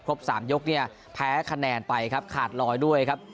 ๓ยกเนี่ยแพ้คะแนนไปครับขาดลอยด้วยครับ